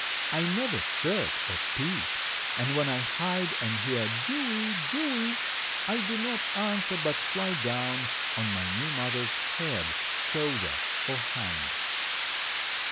I never chirp or peep, and when I hide and hear "Dewey, Dewey," I do not answer but fly down on my new mother's head, shoulder or hand.